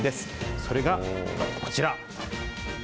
それがこちら。